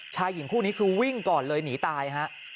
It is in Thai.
ชายหญิงคู่นี้คือวิ่งก่อนเลยหนีตายฮะ